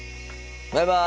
バイバイ。